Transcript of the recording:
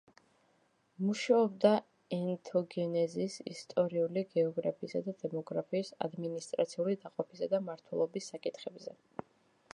მუშაობდა ეთნოგენეზის, ისტორიული გეოგრაფიისა და დემოგრაფიის, ადმინისტრაციული დაყოფისა და მმართველობის საკითხებზე.